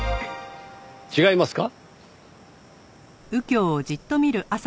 違いますか？